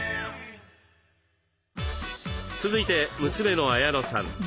続いて娘の絢乃さん。